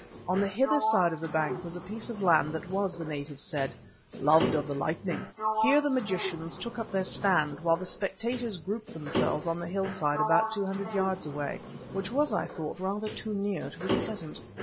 On the hither side of the bank was the piece of land that was, the natives said, "loved of the lightning." Here the magicians took up their stand, while the spectators grouped themselves on the hillside about two hundred yards away—which was, I thought, rather too near to be pleasant.